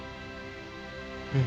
うん。